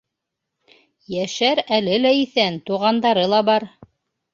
Йәшәр әле лә иҫән, туғандары ла бар.